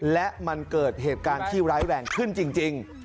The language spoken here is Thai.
และมันเกิดเหตุการณ์ที่ร้ายแรงขึ้นจริง